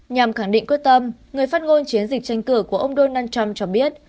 nhằm khẳng định quyết tâm người phát ngôn chiến dịch tranh cử của ông donald trump cho biết